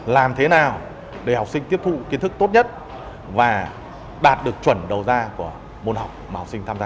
làm thế nào để học sinh tiếp thụ kiến thức tốt nhất và đạt được chuẩn đầu ra của môn học mà học sinh tham gia